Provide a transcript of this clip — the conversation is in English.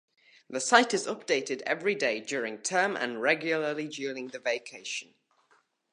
The site is updated every day during term and regularly during the vacation.